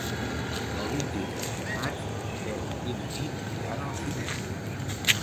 El vint-i-tres de maig en Quel i na Nit iran al cinema.